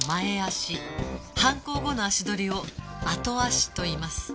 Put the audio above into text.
犯行後の足取りをアトアシと言います